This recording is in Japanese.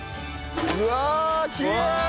うわきれい！